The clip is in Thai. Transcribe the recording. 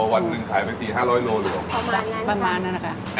วันหนึ่งขายไปสี่ห้าร้อยกิโล